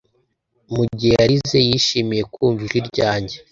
Mugihe yarize yishimiye kumva ijwi ryange